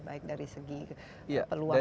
baik dari segi peluang untuk bekerja